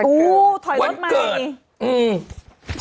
อู้ถอยรถใหม่